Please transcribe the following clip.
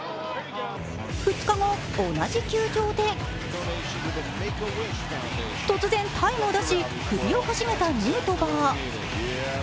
２日後、同じ球場で突然タイムを出し、首を傾げたヌートバー。